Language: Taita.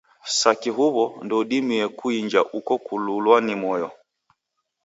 Saki huw'o, ndoudimie kuinja uko kululwa ni moyo.